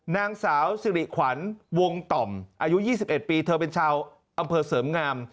นางสาวสิริขวัญวงต่อมอายุ๒๑ปีเธอเป็นชาวอำเภอเสริมงาม